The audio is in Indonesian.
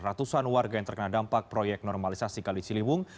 ratusan warga yang terkena dampak proyek normalisasi kali ciliwung